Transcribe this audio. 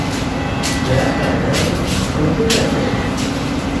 لے اتا یان٘ی کھو لہ چِہ زیرسید؟